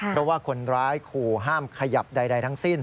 เพราะว่าคนร้ายขู่ห้ามขยับใดทั้งสิ้น